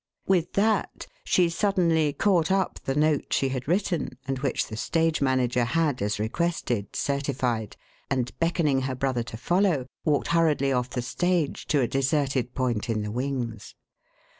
With that she suddenly caught up the note she had written and which the stage manager had, as requested, certified and, beckoning her brother to follow, walked hurriedly off the stage to a deserted point in the wings.